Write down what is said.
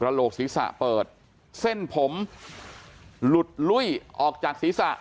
โหลกศีรษะเปิดเส้นผมหลุดลุ้ยออกจากศีรษะ